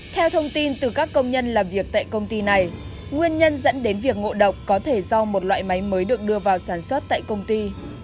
theo thông tin từ các công nhân làm việc tại công ty này nguyên nhân dẫn đến việc ngộ độc có thể do một loại máy mới được đưa vào sản xuất tại công ty